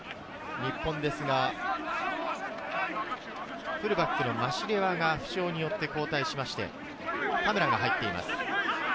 日本ですが、フルバックのマシレワが負傷によって交代しまして、田村が入っています。